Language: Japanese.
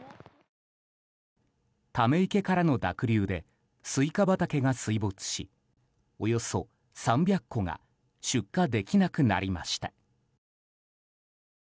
ため池からの濁流でスイカ畑が水没しおよそ３００個が出荷できなくなりました。